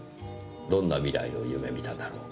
どんな未来を夢見ただろうか」